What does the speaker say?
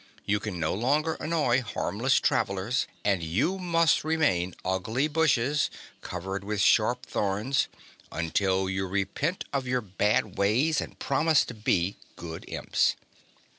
You can no longer annoy harmless travelers and you must remain ugly bushes, covered with sharp thorns, until you repent of your bad ways and promise to be good Imps."